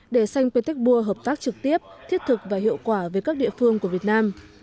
để sanh pétéc bùa hợp tác trực tiếp thiết thực và hiệu quả với các địa phương của việt nam